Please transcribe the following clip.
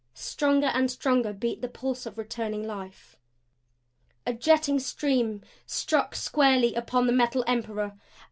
Stronger and stronger beat the pulse of returning life. A jetting stream struck squarely upon the Metal Emperor.